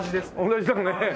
同じだよね。